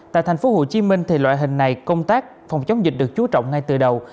tại thành phố hồ chí minh loại hình này công tác phòng chống dịch được chú trọng ngay từ đầu